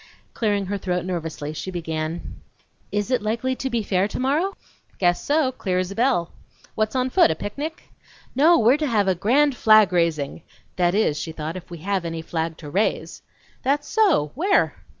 Clearing her throat nervously, she began: "Is it likely to be fair tomorrow?" "Guess so; clear as a bell. What's on foot; a picnic?" "No; we're to have a grand flag raising!" ("That is," she thought, "if we have any flag to raise!") "That so? Where?"